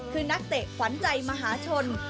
คือนักเตะขวัญใจมหาชน